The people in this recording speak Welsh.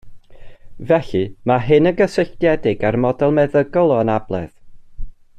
Felly, mae hyn yn gysylltiedig â'r model meddygol o anabledd